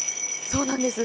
そうなんです。